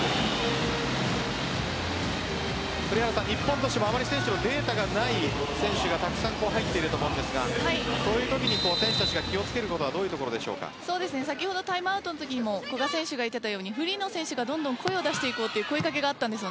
日本としてもあまり選手のデータがない選手がたくさん入っていると思うんですがそういうときに選手たちは気を付けることは先ほどタイムアウトのときにも古賀選手が言っていたようにフリーの選手が声を出していこうという声掛けがあったんです。